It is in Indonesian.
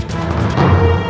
ya allah ya allah